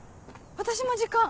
私も時間。